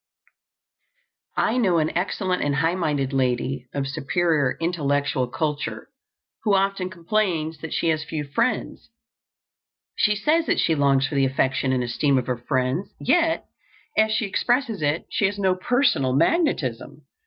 I know an excellent and high minded lady, of superior intellectual culture, who often complains that she has few friends. She says that she longs for the affection and esteem of her friends, yet, as she expresses it, she has "no personal magnetism."